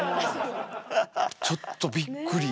ちょっとびっくり。